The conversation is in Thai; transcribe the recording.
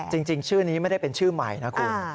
จริงชื่อนี้ไม่ได้เป็นชื่อใหม่นะคุณ